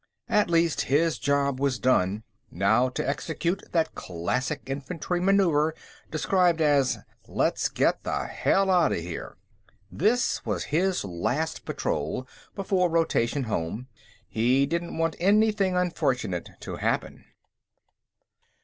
At least, his job was done; now to execute that classic infantry maneuver described as, "Let's get the hell outa here." This was his last patrol before rotation home. He didn't want anything unfortunate to happen.